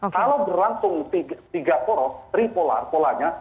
kalau berlangsung tiga poros tripolar polanya